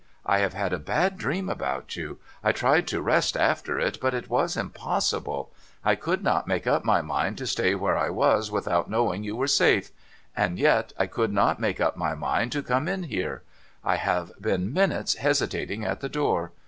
I have had a bad dream about you. I tried to rest after it, but it was impossible. I could not make up my mind to stay where I was without knowing you were safe ; and yet I could not make up my mind to come in here. I have been minutes hesitating at the door.